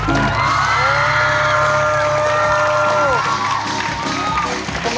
โอ้โห